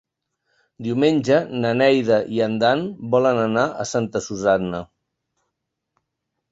Diumenge na Neida i en Dan volen anar a Santa Susanna.